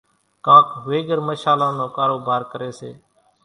ڪانڪ ويڳر مشلان نو ڪاروڀار ڪريَ سي۔